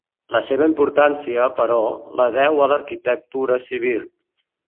La seva importància, però, la deu a l'arquitectura civil.